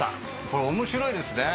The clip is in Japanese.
これ面白いですね。